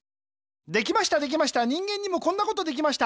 できましたできました人間にもこんなことできました。